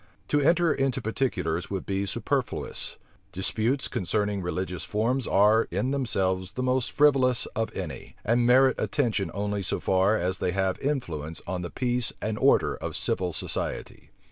To enter into particulars would be superfluous. Disputes concerning religious forms are, in themselves, the most frivolous of any; and merit attention only so far as they have influence on the peace and order of civil society.